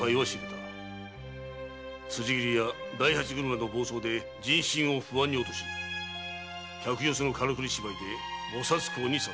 辻斬りや大八車の暴走で人心を不安に落とし客寄せのカラクリ芝居で菩薩講に誘う。